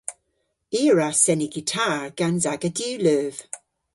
I a wra seni gitar gans aga diwleuv.